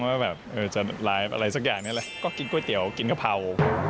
ว่าแบบจะไลฟ์อะไรสักอย่างนี้แหละก็กินก๋วยเตี๋ยวกินกะเพรา